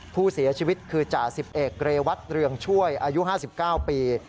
ผู้เสียชีวิตคือจ่าสิบเอกเรวัตเรืองช่วยอายุ๕๙ปี